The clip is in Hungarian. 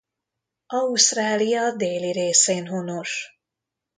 Ausztrália déli részén honos.